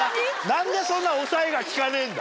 何でそんな抑えが利かねえんだ？